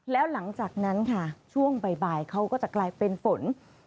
แล้วหลังจากนั้นค่ะช่วงบ่ายเขาก็จะกลายเป็นฝน